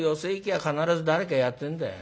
あ必ず誰かやってんだよ。